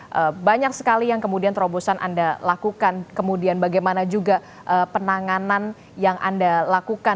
mereka mungkin banyak sekali terobosan ada lakukan kemudian eh bagaimana juga penanganan yang anda lakukan